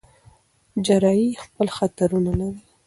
جراحي خپل خطرونه لري.